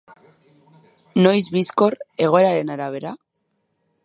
Noiz bizkor, egoeraren arabera?